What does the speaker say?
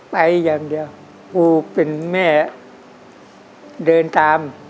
ไปอย่างเดียวกูเป็นแม่เดินตาม